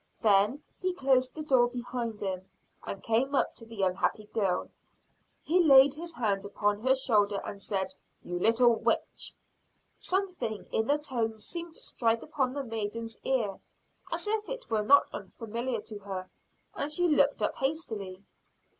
Then, he closed the door behind him, and came up to the unhappy girl. He laid his hand upon her shoulder and said: "You little witch!" Something in the tone seemed to strike upon the maiden's ear as if it were not unfamiliar to her; and she looked up hastily.